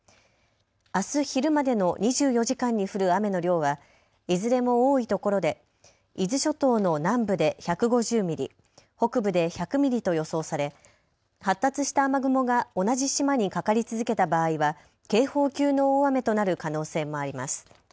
あす昼までの２４時間に降る雨の量はいずれも多いところで伊豆諸島の南部で１５０ミリ、北部で１００ミリと予想され発達した雨雲が同じ島にかかり続けた場合は警報級の大雨となる可能性もあります。